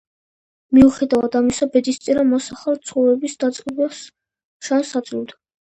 მიუხედავად ამისა ბედისწერა მას ახალი ცხოვრების დაწყების შანსს აძლევს.